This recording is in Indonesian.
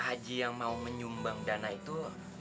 haji yang mau menyumbang dana itu